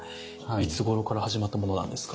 いつごろから始まったものなんですか？